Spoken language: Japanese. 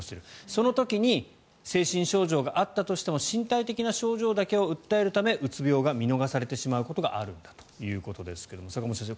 その時に精神症状があったとしても身体的な症状を訴えるためうつ病が見逃されてしまうことがあるんだということですが坂元先生